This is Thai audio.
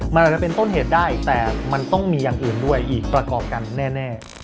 มันอาจจะเป็นต้นเหตุได้แต่มันต้องมีอย่างอื่นด้วยอีกประกอบกันแน่